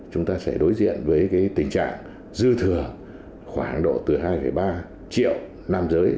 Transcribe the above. chúng ta sẽ đối diện với tình trạng dư thừa khoảng độ từ hai ba triệu nam giới